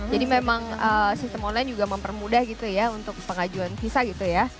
jadi memang sistem online juga mempermudah gitu ya untuk pengajuan visa gitu ya